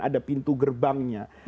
ada pintu gerbangnya